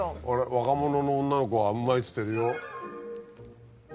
若者の女の子がうまいっつってるよ。